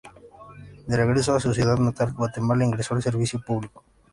De regreso a su ciudad natal, Guatemala, ingresó al servicio público.